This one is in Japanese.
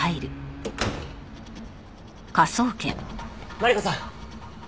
マリコさん。